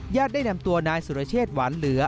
ญาติได้แด่มตัวนายสุราชเชษหวานเหลือ